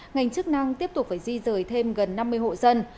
ngành chức năng tiếp tục phải di rời thêm gần năm mươi hộ dân